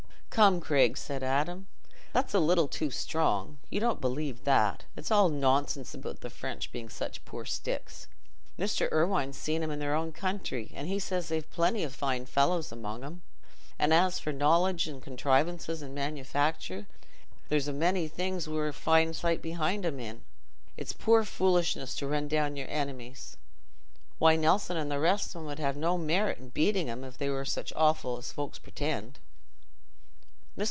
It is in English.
"Come, Craig," said Adam, "that's a little too strong. You don't believe that. It's all nonsense about the French being such poor sticks. Mr. Irwine's seen 'em in their own country, and he says they've plenty o' fine fellows among 'em. And as for knowledge, and contrivances, and manufactures, there's a many things as we're a fine sight behind 'em in. It's poor foolishness to run down your enemies. Why, Nelson and the rest of 'em 'ud have no merit i' beating 'em, if they were such offal as folks pretend." Mr.